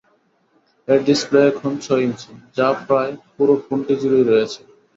এর ডিসপ্লে এখন ছয় ইঞ্চি, যা প্রায় পুরো ফোনটি জুড়েই রয়েছে।